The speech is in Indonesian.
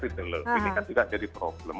ini kan juga jadi problem